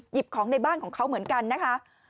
ของในบ้านของเขาเหมือนกันนะคะ